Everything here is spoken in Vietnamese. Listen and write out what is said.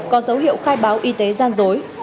có dấu hiệu khai báo y tế gian dối